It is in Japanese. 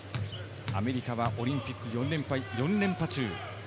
アメリカはオリンピック４連覇中。